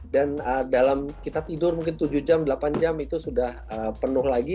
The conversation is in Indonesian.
dan dalam kita tidur mungkin tujuh jam delapan jam itu sudah penuh lagi